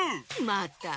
また。